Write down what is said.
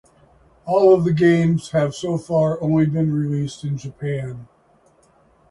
All of the games have so far only been released in Japan.